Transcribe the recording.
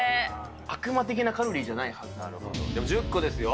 悪魔的なカロリーじゃないはでも１０個ですよ。